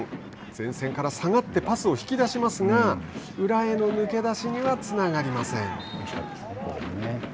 前線から下がってパスを引き出しますが裏への抜け出しにはつながりません。